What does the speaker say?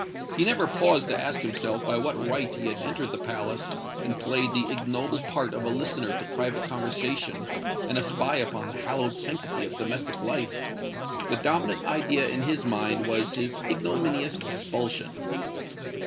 He never paused to ask himself by what right he had entered the palace and played the ignoble part of a listener to private conversation and a spy upon the hallowed sanctity of domestic life:—the dominant idea in his mind was his ignominious expulsion.